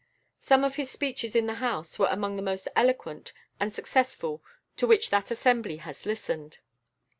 Some of his speeches in the House were among the most eloquent and successful to which that assembly has listened.